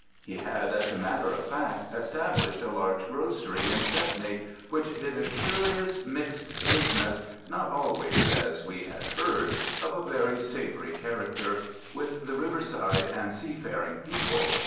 He had, as a matter of fact, established a large grocery in Stepney which did a curious mixed business, not always, as we had heard, of a very savoury character, with the riverside and seafaring people.